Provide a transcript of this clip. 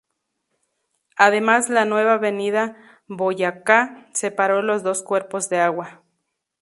Además la nueva avenida Boyacá separó los dos cuerpos de agua.